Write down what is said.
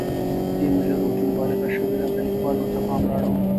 دې جملو کې مبالغه شوې ده، د ليکوال ورته پام رااړوم.